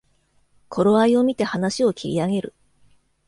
頃合いをみて話を切り上げる